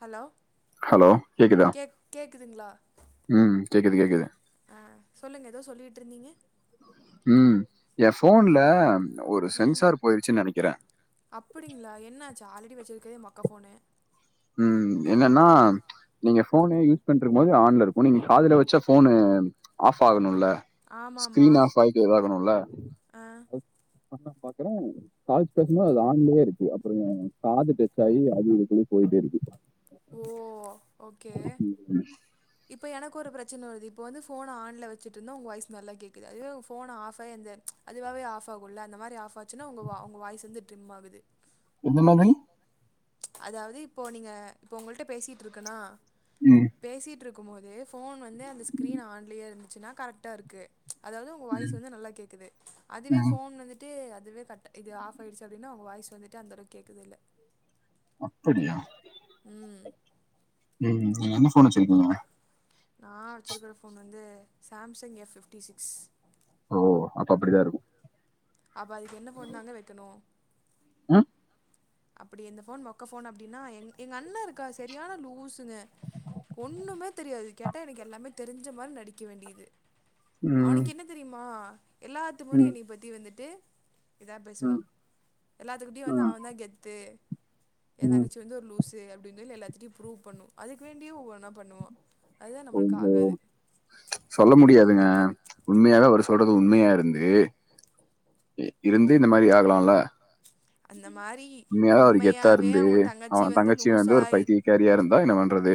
Hello hello கேக்குதா? கேக் கேக்குதுங்களா ம். கேக்குது, கேக்குது. அஹ் சொல்லுங்க ஏதோ சொல்லிட்டு இருந்தீங்க உம் என் போன்ல ஒரு ம் சென்சார் போயிருச்சுன்னு நினைக்கிறேன் ஓகே மொக்கபோனு உம் என்னன்னா நீங்க போனே யூஸ் பண்ணருக்கும் போது ஆன்ல இருக்கும் நீங்க காதுல வச்ச போனு ஆஃப் ஆகணும்ல ஆமாம்மா ஸ்கிரீன் ஆப் ஆயிட்டு இதாகணும்ல ஆ பாக்குறேன் கால்ஸ் பேசும் மோது அது ஆன்லேயே இருக்கு அப்புறோ காது டச்சாயி அது இது குளி போயிட்டு இருக்குபா ஓ ஓகே இப்ப எனக்கு ஒரு பிரச்சன வருது இப்ப வந் ஃபோன ஆன்ல வச்சட்டுருந்த உங்க வாய்ஸ் நல்லா கேக்குது அதுவே ஃபோன ஆஃப் ஆய் அந்த அதுவாவே ஆஃப் ஆககுல அந்த மாரி ஆப் ஆச்சுன்னா உங்க வா உங்க வாய்ஸ் வந்து ட்ரிம் ஆகுது எந்தமா நீ அதாவது இப்போ நீங்க இப்போ உங்கள்ட்ட பேசிட்டு இருக்கனா ம், பேசிட் ட்டுருக்கு போது ஃபோன் வந்து அந்த ஸ்கிரீன் ஆன்லியே இருந்துச்சுன்னா கரெக்டா இருக்கு அதாவது உங்க வாய்ஸ் வந்து நல்லா கேக்குது அதுவே ம். ஃபோன் வந்துட்டு இதுவே கட் இது ஆஃப் ஆயிடுச்சி அப்பிடின்னா உங்க வாய்ஸ் வந்துட்டு அந்த அளவுக்கு கேக்குதுல்ல அப்பிடியா ம் என்ன ஃபோன் வச்சிருகிக்க நான் வச்சிருக்கற ஃபோன் வந்து சாம்சங் எஃப் ஃபிப்டி சிக்ஸ் ஓ அப்ப அப்பிடித்தா இருக்கு அப்ப அதுக்கு என்ன ஃபோன் தாங்க வைக்கணு ம், அப்பிடி எந்த ஃபோன் மொக்க ஃபோன் அப்பிடின்னா எங எங்க அண்ணா இருக்கா சரியான லூஸுங்க ஒண்ணுமே தெரியாது கேட்டா எனக்கு எல்லாமே தெரிஞ்ச மாரி நடிக்க வேண்டியது ம், அவனுக்கு என்ன தெரியுமா எல்லாத்து முன்னாடி ம், என்னை பத்தி வந்துட்டு இதா பேசணு ம், எல்லாத்துக்கிட்டயு வந்து ம், அவதா கெத் ஏ எ ம். தங்கச்சி வந்து ஒரு லூஸ் து அப்பிடின்னு சொல்லி எல்லாத்திட்டியு பூருப் பண்ணு அதுக்கு வேண்டிய ஒவ்வொன்னா பண்ணுவா அதுதா நம்மளுக்கு ஓஹோ ஆகாது சொல்ல முடியாதுங்க உண்மையாவே அவர் சொல்றது உண்மையா இருந்து இருந்து இந்த மாரி ஆகலால்ல அந்த மாரி உண்மையாவே அவுரு கெத்தா இருந்து அவ தங்கச்சி வந்து ஒரு பைத்தியகாரியா இருந்தா என்ன பண்றது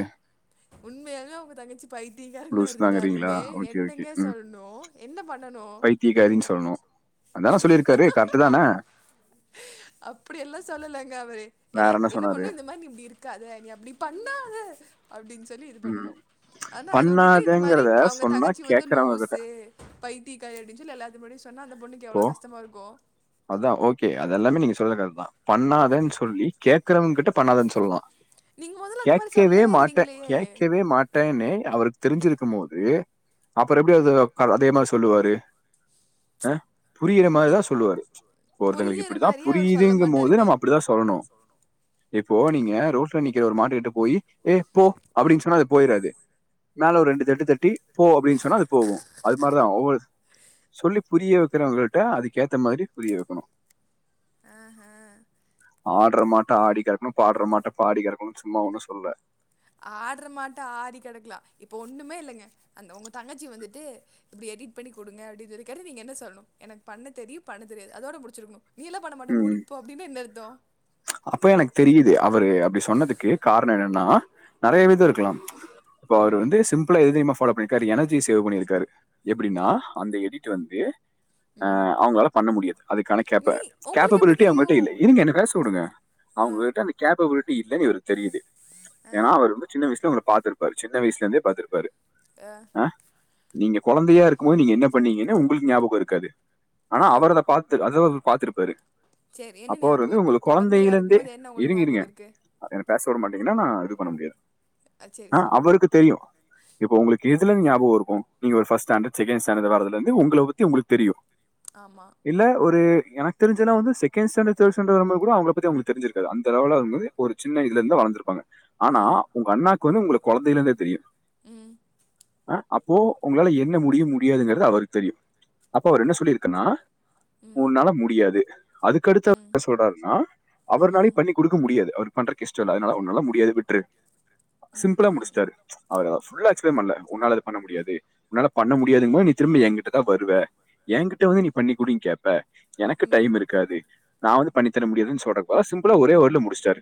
உண்மையாவே அவுங்க தங்கச்சி பைத்தியகாரனா லூஸ் தாங்கிறீங்களா? இருந்தாலுமே ஓகே, ஓகே. என்னங்க ம். சொல்னு என்ன பண்ணனு பைத்தியக்காரின்னு சொல்லணும். அதான சொல்லியிருக்காரு. கரெக்ட்டு தான? அப்பிடிய எல்லா சொல்லலங்க அவரு எல்ல வேற என்ன சொன்னாரு? பண்ணு இந்த மாரி நீ இப்பிடி இருக்காத நீ அப்பிடி பண்ணாத அப்பிடின் சொல்லி இது ம். பண்ணு ஆனா அதவுட்டுட்டு இந்த மாரி பண்ணாதங்கிறத அவுங்க சொன்னா தங்கச்சி வந்து கேட்கறவங்க லூஸ் கிட்ட பை [unintelligible] எல்லாத்து முன்னாடி சொ சொன்னா அந்த பொண்ணுக்கு இப்போ எவ்ளோ கஷ்டமா இருக்கு அதான் ஓகே அது எல்லாமே நீங்க சொல்றது கரெக்டு தான் பண்ணாதேன்னு சொல்லி கே்கறவங்க கிட்ட பண்ணாதேன்னு சொல்லுவலான் நீங்க மொதல்ல அந்த மாரி கேகவே சொல்லவே மாட்டேன் இல்லைங்களே கேட்கவே மாட்டேன்னே அவருக்கு தெரிஞ்சிருக்கும் போது அப்புறம் எப்படி அது அதே மாதிரி சொல்லுவாரு அஹ புரியிற மாதிரி நீங் தான் சொல்லுவாரு ஒருத்தங்களுக்கு புரியிற இப்படித்தான் மாரியே அவர் சொல்ல புரியுதுங்கும் போது மாட்டாருங்க நம்ம அப்படித்தான் சொல்லணும் இப்போ நீங்க ரோட்ல நிக்கிற ஒரு மாட்டு கிட்ட போய் ஏ போ அப்படின்னு சொன்னா அது போயிறாது மேல ஒரு ரெண்டு தட்டு தட்டி போ அப்படின்னு சொன்னா அது போவும் அது மாதிரிதான் ஒவ்வொரு சொல்லி புரிய வைக்கிறவங்களிட்ட அதுக்கேத்த மாதிரி புரிய வைக்கணும் ஆஹ் ஆஹ் ஆடுற மாட்ட ஆடி கறக்கணும் பாடுற மாட்ட பாடி கறக்கணும் சும்மா ஒண்ணும் சொல்ல ஆடற மாட்ட ஆறி கிடக்கலாம் இப்போ ஒன்றுமே இல்லைங்க அந்த உங்க தங்கச்சி வந்துட்டு இப்படி எடிட் பண்ணி குடுங்க அப்படனு சொன்னா கேட்ட நீங்க என்ன சொல்லணும் எனக்கு பண்ண தெரியும் பண்ண தெரியாது அதோட முடிச்சிருக்கணும் நீலாம் பண்ண மாட்ட ம் மூடிட்டு போ அப்படின்னா என்ன அர்த்தம் அப்ப எனக்கு தெரியுது அவரு அப்படி சொன்னதுக்கு காரணம் என்னன்னா நிறைய விதம் இருக்கலாம் இப்ப அவரு வந்து சிம்பிளா என்ன தெரியுமா பாஃலோ பண்ணியிருக்காரு எனர்ஜி சேவ் பண்ணிருக்காரு எப்படின்னா அந்த எடிட் வந்து ம். ஆஹ் அவங்களால பண்ண முடியாது அதுக்கான கேப்ப நீ உங்களுக்கு எப்படி கேப்பபிலிட்டி அவங்கிட்ட தெரியும்? இல்லை இதுங்க என்ன பேச வுடுங்க அ, அவங்க கிட்ட அந்த கேப் இல்லங்குறது தெரியுது ஏன்னா அவர் வந்து சின்ன வயசுல உங்களை பாத்துரு பாரு சின்ன வயசுல இருந்தே பாத்துரு பாரு ஆ நீங்க குழந்தையா இருக்கும் போது நீங்க என்ன பண்ணீங்கன்னா உங்களுக்கு ஞாபகம் இருக்காது ஆனா அ. அவர் பாத்த அத பாத்துருப்பாரு சரி, என்ன அப்போ ஞாபகம் வது இருக்கு? உங்களுக்கு குழந்த குழந்தையா அப்பேல இருந்தே இருக்கும்போது என்ன உங்களுக்கு இருங்கருங்க ஞாபகம் இருக்கு? எனக்கு பேச வுட மாட்டீங்கன்னா நான் இது பண்ண முடியாது அ, சரி ஆஹ் சொல்லுங்க. அவருக்கு தெரியும் இப்ப உங்களுக்கு இதுல இருந்துஞாபம் இருக்கும் நீங்க ஒரு பர்ஸ்ட்ஸ்டாண்ட் செகண்ட் ஸ்டாண்டர்ட வரதுல இருந்து உங்கள பத்தி உங்களுக்கு தெரியும் ஆமா. இல்ல ஒரு எனக்கு தெரிஞ்சதலாம் வந்து செகண்ட்ஸாண்ட தேடுஸ்ஸாண்ட கூட அவங்க உங்களுக்கு தெரிஞ்சிருக்காது அந்த ஒரு சின்ன இதுல இருந்து வளந்துருப்பாங்க ஆனா ம், உங்க அண்ணாக்கு வந்து உங்களுக்கு குழந்தைையில இருந்தே தெரியும் ம், அஹ அப்போ உங்களால என்ன முடிய முடியாதுங்கிறது அவருக்கு தெரியும் அப்ப அவர் என்ன சொல்லியிருக்கன்னா ம், உன்னால முடியாது ம், அதுக்கடுத்து சொல்றாருன்னா அவர்னாலே பண்ணி கொடுக்க முடியாது அவர் பண்ற கஷ்டம் இல்ல அதனால உன்னால முடியாது விற்று சிம்பிளா ம்ஹ்ம். ம். முடிச்சிட்டா அவர் அத ஃபுல்லா எக்ஸ்பிளைன் பண்ணல உன்னால பண்ண முடியாது உன்னால பண்ண முடியாதுங் போது நீ திரும்ப என்கிட்டதா வருவ என்கிட்ட வந்து நீ பண்ணிகுடு கேப்ப எனக்கு ம் டைம் இருக்காது நா வந்து பண்ணி தர முடியதுன் சொ அதுக்கு பதிலா சிம்பிளா ஒரே வேட்ல முடிச்சிட்டரு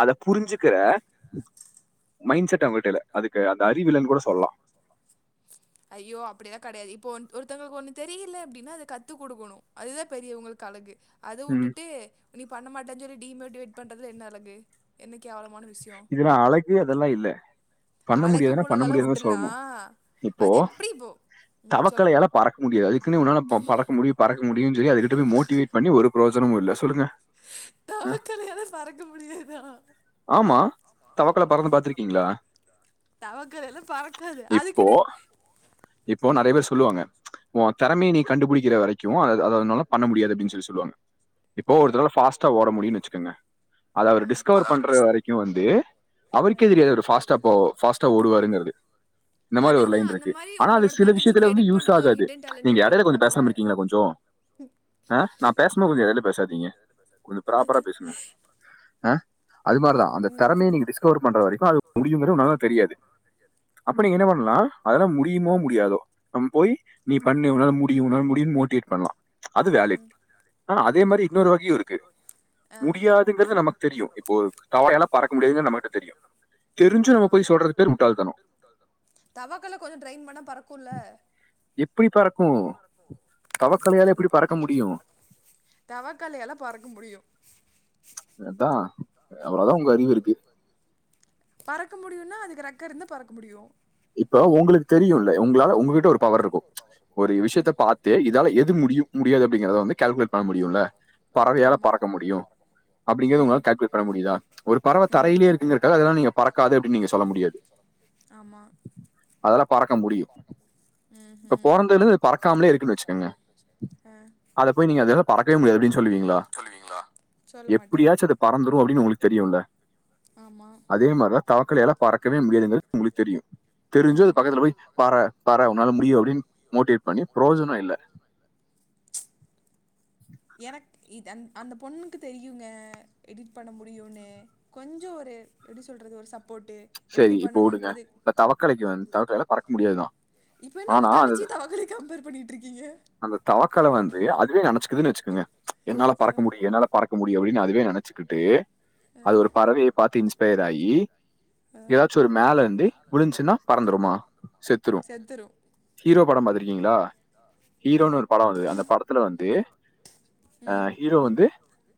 அத புரிஞ்சுக்கிற மைண்ட் செட் அவட்ட இல்ல அதுக்கு அந் ஐயோ அப்படிலா கிடையாது இப்போ ஒன் ஒருத் த்தவங்களுக்கு ஒன்னு தெரியலை அப்படின்னா அத கத்து கொடுக்கணு அதுதா பெரியவங்களுக்கு அழகு அது ம், உட்டுட்டு நீ பண்ண மாட்டா சொல்லி டீமோட்டிவேட் பண்றதுல என்ன அழகு எனக் இதன அழக்கு அதெல்லா இல்ல பண்ண அழகு முடியாதுன்னா பண்ண புலகெல்லாம் முடியாதுான சொல்லணு விட்டுலாம் இப்போ அது எப்படி இப்போ ம் சொல்லுங்க தவக்கலையால பறக்க முடியாது அதுக்குன்ன உன்னால ப பறக்க முடியு பற முடியு அதுகிட்ட மோட்டிவேட் பண்ணி ஒரு பிரயோஜனமு இல்ல சொல்லுங்க ஆ, தவக்கலையால பறக்க முடியாதா ஆமா தவக்கல பறந்து பாத்திருக்கீங்களா தவக்கலையால பறக்காது இப்போ அதுக்குன்னு இப்போ நெறைய பேர் சொல்லுவாங்க உ திறமைய நீ கண்டுபிடிக்கிற வரைக்கு அதாவது அதனால பண்ண முடியாது அப்படின்னு சொல்லி சொல்லுவாங்க இப்போ அஹ், ஒருத்தரால பாஸ்டா ஓட முடியும் வச்சுக்கோங்க அது அவர் டிஸ்கவர் அது அவர் பண்ற [unintelligible] டிஸ் வரைக்கு வந்து அவருக்கு தெரியது அவரு ஃபாஸ்ட்டா போ ஃபாஸ்டா போ ஓடுவார் எங்கிறது இந்த மாரி ஒரு லைன் அதுதான் அந்த இருக்கு மாதிரி உங்களோட சில தங்கச்சிக்கு விஷயத்துல எடிட் யூஸ் பண்ணுறது ஒரு ஆகாது ஹிடன் நீங்க டேலண்டாக இடையில கொஞ்சோ இருந்திருக்கலாம்ல பேசாம இருக்கீங்களா கொஞ்சோ ஆ நா பேசுபோது பேசஞ்ச [unintelligible] பேசாதீங்க கொஞ்ச ப்ராப்ரா பேசுங்க ஆ அது மாரிதா அந்த தரமைய நீங்க டிஸ்கவர் பண்ற வரைக்கு அது முடியுங்கர உன்னால தெரியாது அப்ப நீங்க என்ன பண் லா அதெல்லா முடியுமோ முடியாதோ நம்ம போய் நீ பண்ண உன்ன முடியு உன்ன முடியு மோட்டிவேட் பண்ணலா அது வேலிட் ஆ அதே மாரி இன்னொரு [unintelligible] இருக்கு ஆ முடியாதுங்கிறது நமக்கு தெரியு தவையாலா பறக்க முடியாதுன்னு நம்மகிட்ட தெரியு தெரிஞ்சு நம்ம ஆமாம் போய் சொல்றது பேர் முட்டாலதானம் தவக்கலை கொஞ்சம் ட்ரெயின் பண்ணால் பறக்கும்ல எப்படி பறக்கு தவக்கலையால அது எப்படி பறக்க முடியு தவக்காலையால பறக்க முடியு அவ்வளவுதா உங்க அறிவு இருக்கு பறக்க முடியும்னா அதுக்கு ரக்க இருந்து பறக்க முடியு இப்ப உங்களுக்கு தெரியும்ல உங்களால உங்ககிட்ட ஒரு பவர் இருக்கும் ஒரு விஷயத்த பார்த்தே இதால எது முடியும் முடியாது அப்படிங்கறத வந்து கால்குலேட் பண்ண முடியும்ல்ல ம் பறவையால ஆமா பறக்க முடியும் அப்படிங்கிறது ம் உங்களால கல்குலேட் பண்ண முடியுதா ஒரு பறவை ம் தரையிலேயேக்குங்கறக்க அதெல்லாம் நீங்க பறக்காது அப்படின்னு நீங்க சொல்ல முடியாது ஆமா அதெல்லாம் பறக்க முடியும் ம் இப்ப ம் பறந்தது பறக்காமலே இருக்குன்னு வச்சுக்கோங்க ஆ அதை போய் நீங்க அதெல்லாம் பறக்கவே முடியாது அப்படின்னு சொல்லுவீங்களா சொல்லுவீங்களா சொல்ல மாட்டே எப்படியாச்சும் அது பறந்துரும் அப்படின்னு உங்களுக்கு தெரியும்ல ஆமா அ மாதிரி தான் தவக்காலயால பறக்கவே முடியாதுனு உங்களுக்கு தெரியும் தெரிஞ்சும் அது ம் பக்கத்துல போய் பற பற உன்னால முடியும் அப்படின்னு மோட்டிவேட் பண்ணி புரோஜனம் இல்ல எனக்கு இது அந் அந்த பொண்ணுக்கு தெரியுங்க எடிட் பண்ண முடியும்ன்னு கொஞ்சம் ஒரு எப்படி சொல்கறிது ஒரு சப் சேரி இப்போ விடுங்க இந்த தவக்கலைக்கு வந்து தவக்கலை பறக்க முடியாதுதான் இப்ப என்ன உங்க ஆனா தங்கச்சி அந்த தவக்கலைய கம்பேர் பண்ணிட்ருக்கீங்க அந்த தவக்கலை வந்து அதுவே நினைச்சுக்குதுன்னு வச்சு ங்க என்னால் ஆ பறக்க முடியும் என்னால் பறக்க முடியும் அப்படின்னு அதுவே நினைச்சு டே அது ஒரு பறவைய பார்த்து இன்ஸ்பயர் ஆகி ஏதாச்சும் ஒரு மேல இருந்து விழஞ்சுன்னா பறந்துடுமா செத்துரும் செத்துரு ஹீரோ படம் பார்த்த இருக்கா ஹரோ இல்ல ஒரு படம் வந்தது அந்த படத்துல வந்து ம் ஹீரோ வந்து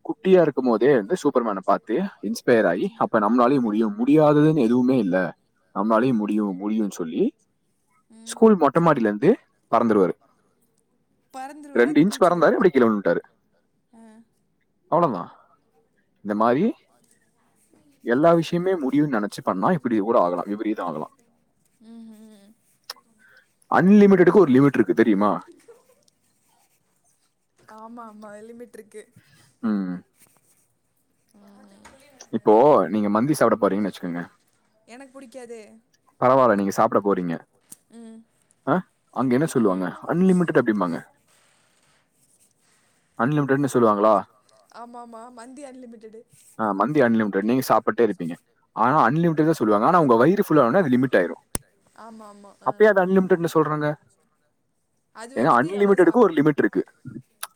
குட்டியா இருக்கும் போதே வந்து சூப்பர் மேன் பார்த்து இன்ஸ்பயர் ஆகி நம்மளால முடியாததுன்னு எதுவுமே இல்ல நம்மளாலயே ம் முடியும் முடியும் சொல்லி ம் ஸ்கூல் மொட்டை மாடியில இருந்து பறந்துருவாரு பறந்துருவாரா ரெண்டு இன்ச் பறந்தாரு குதிச்சிருவாரா எப்படியும் கீழ விழுந்துட்டாரு ஆ அவ்வளவுதான் இந்த மாதிரி எல்லா விஷயமே முடியும்ன்னு நினைச்சு நான் இப்படி கூட ஆகலாம் எப்படிதான் ஆகலாம் ம்ஹூம் அன்லிமிடெடுக்கு ஒரு லிமிட் இருக்கு தெரியுமா ஆமா ஆமா லிமிட் இருக்கு உஹம் இப்போ நீங்க மந்தி சாப்பிட போறீங்கன்னு வச்சுக்கோங்க எனக்கு புடிக்காது பரவாயில்ல நீங்க சாப்பிட போறீங்க ம் அஹ் அங்க என்ன சொல்லுவாங்க அன்லிமிடட் அப்படிபாங்க அன்லிமிடடன்னு சொல்லுவாங்களா ஆமா ஆமா மந்தி அன்லிமிட்டெடு ஆஹ் மந்தி அன்லிமிட் நீங்க சாப்பிட்டே இருப்பீங்க ஆனா அன்லிமிட த சொல்லுவாங்க ஆனா உங்க வயிறு து லிமி்ட் ஆயிடும் ஆமா ஆமா ஆ அப்ப அன்லிமிட் சொல்றாங்க அது வந்துட்டு எவ்வளோ அன்லிமிட் சாப் இருக்கு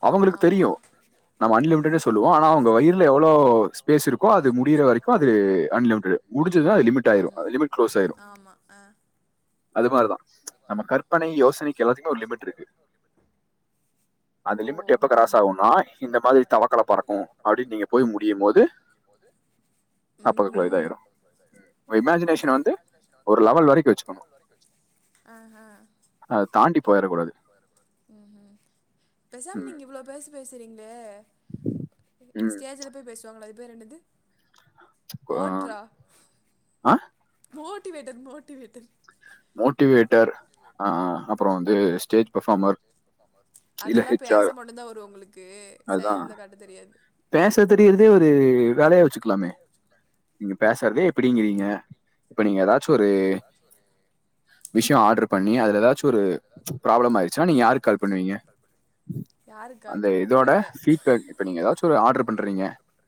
அவங்களுக்கு ஆமா தெரியும் நம்ம சொல்லு வோம் ஆ அவங்க வயிறுல எவ்வளவு ஸ்பேஸ் இருக்கோ அது முடிற வரைக்கும் அது அன்லிமிடெட் அது முடிஞ்சுனா லிமிடெட் ஆமா ஆமா ஆஹ இது தான் நம்ம கற்பனை யோசனைக்கு எல்லாத்துக்குமே ஒரு லிமிட் இருக்கு அந்த ஓ லிமிட் எப்ப கிராஸ் ம் ஆகுனா இந்த மாரி தவக்கல பறக்கு அப்டின்னு நீங்க போய் முடியு போது அப்பக்குல ம்ஹூம் இதாயிரு இமாஜினேஷன் வந்து ஒரு லெவல் வரைக்கு வெச்சுக்கணு ஆ ஆ உ பேசாம ம். நீங்க இவ்ளோ பேச சரிங்களே ம். ஸ்டேஜ்ல போய் பேசுவாங்ளா அது வேர என்னது ஆ வாட்றா ஆ மோட்டிவேட்டர் மோட்டிவேட்டர் மோட் ஸ்டேஜ் பெர்ஃபார்மர் இல்ல அதெல்லா ஹெச்ஆர் பேச மட்டும்தா வரு ஒங்களுக்கு அதுதான் செயல்ல காட்ட தெரியாது பேச தெரியறதே ஒரு வேலயா வெச்சுக்கலாமே நீங்க ஆ சரி எப்டிங்கிறீங்க இப்படிங்க நீங்க எதாவது ஒரு விஷயோ ஆடர் பண்ணி அதுல ஏதாச்சு ஒரு ப்ரோப்லம் ஆயிருச்சுன்னா நீ யாருக் கால் பண்ணுவீங்க யாருக்கு கால் அந்த பண்ணுவ இதோட புரியல பீட்பேக் இப்ப நீங்க ஏதாச்சு ஒரு ஆர்டர் பண்றீங்க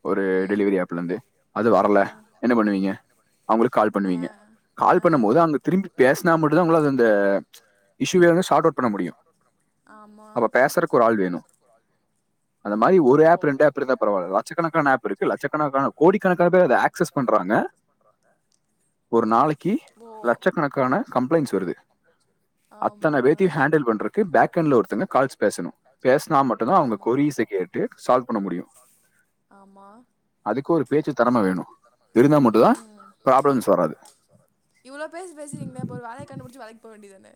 ஒரு ம் டெலிவரி ஆப்லருந்து அது வரல என்ன பண்ணுவீங்க அவுங்களுக்கு கால் ஆ பண்ணுவீங்க கால் ஆ பண்ணும் போது அங்க திரும்பி பேசினா மட்டுதா உங்களாள அது அந்த இஷூ சார்ட் அவுட் பண்ண முடியு ஆமா அப்ப பேசுறக்கு ஒரு ஆள் வேணு அந்த மாரி ஒரு ஓ ஆப் ரெண்டு டேப் இருந்தாகூட பரவால்ல லட்சணக்கான ஆப் இருக்கு லட்சணக்கான கோடிக்கணக்கான ஆக்சஸ் பண்றாங்க ஒரு நாளைக்கு ஓ லட்சக்கணக்கான கம்ளைட்ஸ் வருது ஆமா அத்தனை ஆ பேத்தையும் ஹேண்டில் பண்றதுக்கு பேக் எண்ட்ல ஒருத்தங்க கால்ஸ் பேசணும் பேசினா மட்டும்தான் அவங்க ஆமா கொரிஸை கேட்டு சால்வ் பண்ண முடியு ஆமா அதுக்கு ஒரு பேச்சு தெரம வேணு இருந்தா மட்டு தா ம் ப்ராப்ளம்ஸ் வராது வேண்டிய தானே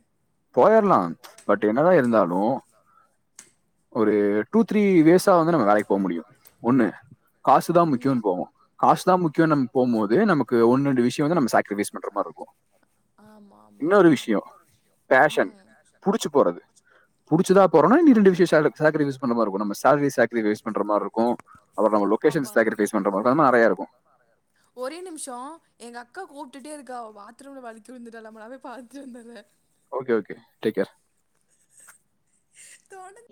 போயிறலா பட் என்னதா இருந்தாலு ஒரு டூ த்ரீ வேஸ் நம்ம வேலைக்கு போக முடியு ஒன்னு காசு தா முக்கியோன் போவோ காசுதா முக்கியோ நம்ம போகும்பது நமக்கு ஒன்னு ரெண்டு விஷம் வந்து சேக்ரிபைஸ் பண்ற மாரி இருக்கு ஆமா ஆமா இன்னொரு ஆ விஷயோ பேஷன் ம் புடிச்சு போறது புடிச்சுதா போறோண்டு விஷய சாகக்கரி ூஸ் பண்ணாம இரு ந சேரி [unintelligible] பண்ற மாதிரி இருக்கு அப்றோ நம்ம லொகேஷன் ஆமா சேக்ரிபைஸ் பண்ற மாரி நெறய இருக்கு ட்டுட்டே இருக்கா பாத்ரூம்ல வழுக்கி விழுந்துட்டாளாமா நா போயி பாத்துட்டு வந்தர்றே ஓகே ஓகே டேக் கேர் தொட